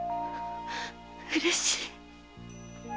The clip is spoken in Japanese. うれしい。